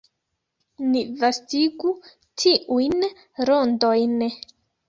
Ni vastigu tiujn rondojn.